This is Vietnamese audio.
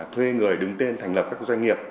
thuê người đứng tên thành lập các doanh nghiệp